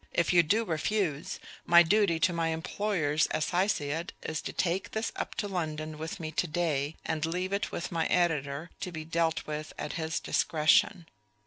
If you do refuse, my duty to my employers, as I see it, is to take this up to London with me to day and leave it with my editor to be dealt with at his discretion.